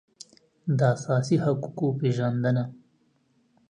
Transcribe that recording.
د اساسي حقوقو پېژندنه